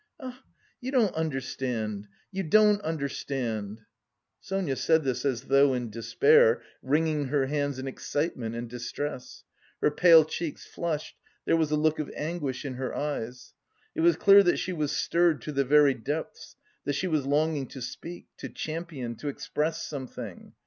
Ah, you don't understand, you don't understand!" Sonia said this as though in despair, wringing her hands in excitement and distress. Her pale cheeks flushed, there was a look of anguish in her eyes. It was clear that she was stirred to the very depths, that she was longing to speak, to champion, to express something.